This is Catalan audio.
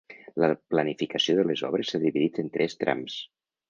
La planificació de les obres s’ha dividit en tres trams.